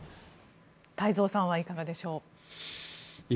太蔵さんはいかがでしょう。